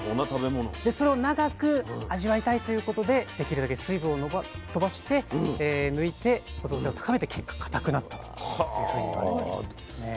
それを長く味わいたいということでできるだけ水分を飛ばして抜いて保存性を高めた結果固くなったというふうに言われてるんですね。